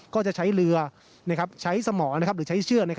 ก็จะใช้เรือใช้สมองหรือใช้เชือก